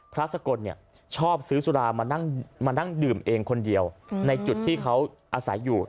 สกลชอบซื้อสุรามานั่งดื่มเองคนเดียวในจุดที่เขาอาศัยอยู่